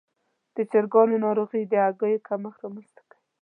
د چرګانو ناروغي د هګیو کمښت رامنځته کوي.